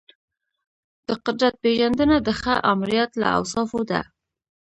د قدرت پیژندنه د ښه آمریت له اوصافو ده.